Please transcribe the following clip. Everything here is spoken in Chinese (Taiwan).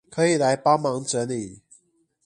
可以來幫忙整理